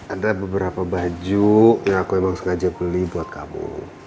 ada beberapa baju yang aku memang sengaja beli buat kamu